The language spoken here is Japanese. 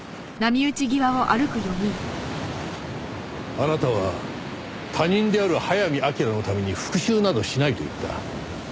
あなたは他人である早見明のために復讐などしないと言った。